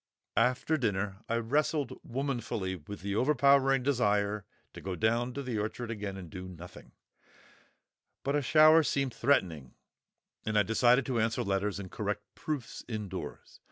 After dinner I wrestled womanfully with the overpowering desire to go down the orchard again and do nothing; but a shower seemed threatening, and I decided to answer letters and correct proofs indoors.